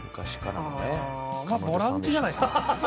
ボランチじゃないですか。